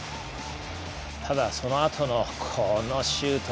ただ、そのあとのシュート。